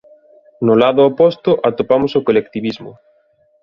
No lado oposto atopamos o colectivismo.